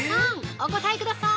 お答えください！